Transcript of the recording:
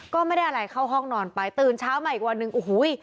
ก็ไม่ได้อะไรเข้าห้องนอนไปตื่นเช้ามาอีกวันหนึ่งโอ้โห